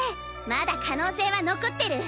まだ可能性は残ってる。